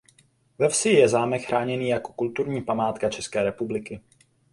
Ve vsi je zámek chráněný jako kulturní památka České republiky.